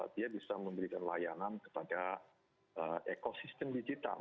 dia bisa memberikan layanan kepada ekosistem digital